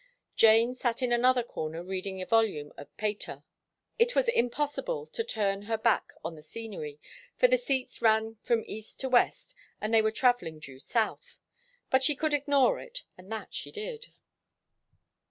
Jane sat in another corner reading a volume of Pater. It was impossible to turn her back on the scenery, for the seats ran from east to west and they were travelling due south, but she could ignore it, and that she did.